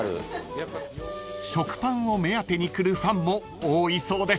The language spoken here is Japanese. ［食パンを目当てに来るファンも多いそうです］